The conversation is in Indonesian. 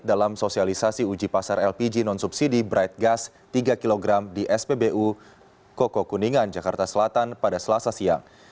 dalam sosialisasi uji pasar lpg non subsidi bright gas tiga kg di spbu koko kuningan jakarta selatan pada selasa siang